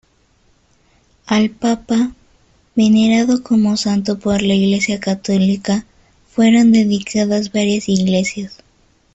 Al papa, venerado como santo por la Iglesia católica, fueron dedicadas varias iglesias.